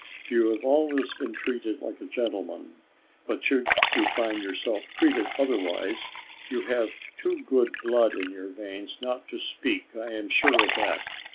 You have always been treated like a gentleman; but should you find yourself treated otherwise, you have too good blood in your veins not to speak I am sure of that.